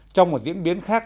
trong một diễn biến khác